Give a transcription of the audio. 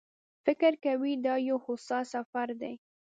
فکر کوي دا یو هوسا سفر دی.